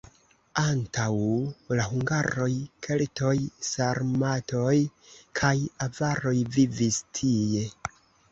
Antaŭ la hungaroj keltoj, sarmatoj kaj avaroj vivis tie.